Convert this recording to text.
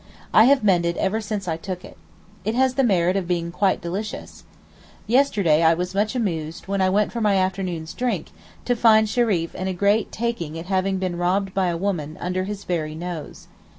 I have mended ever since I took it. It has the merit of being quite delicious. Yesterday I was much amused when I went for my afternoon's drink, to find Sheriff in a great taking at having been robbed by a woman, under his very nose.